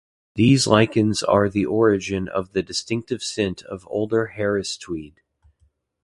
These lichens are the origin of the distinctive scent of older Harris Tweed.